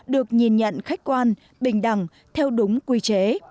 được nhìn nhận khách quan bình đẳng theo đúng quy chế